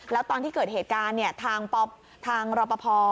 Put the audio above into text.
แล้วตอนที่เกิดเหตุการณ์ทางรอปภ